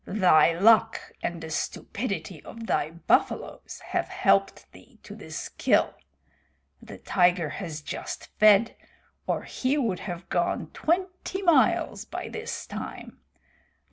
Thy luck and the stupidity of thy buffaloes have helped thee to this kill. The tiger has just fed, or he would have gone twenty miles by this time.